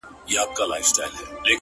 o په درد آباد کي. ویر د جانان دی.